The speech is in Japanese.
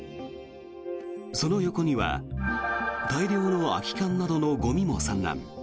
その横には大量の空き缶などのゴミも散乱。